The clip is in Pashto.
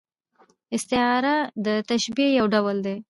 استعاره د تشبیه یو ډول دئ.